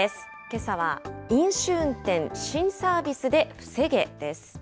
けさは飲酒運転新サービスで防げです。